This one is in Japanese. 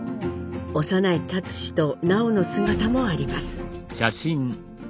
幼い立嗣と南朋の姿もあります。